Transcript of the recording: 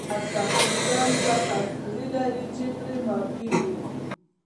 هر سخت انسان یوه کمزوري لري چې پرې ماتیږي